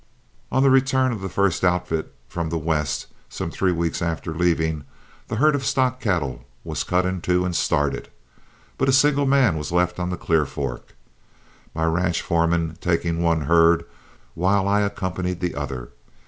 On the return of the first outfit from the west, some three weeks after leaving, the herd of stock cattle was cut in two and started. But a single man was left on the Clear Fork, my ranch foreman taking one herd, while I accompanied the other.